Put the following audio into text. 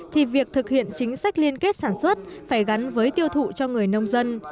thì việc thực hiện chính sách liên kết sản xuất phải gắn với tiêu thụ cho người nông dân